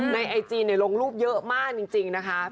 ในไอจีนเนี้ยลงลูกเยอะมากจริงจริงนะคะ